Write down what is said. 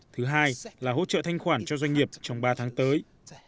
thứ hai là hỗ trợ thanh khoản cho doanh nghiệp trong ba tháng tới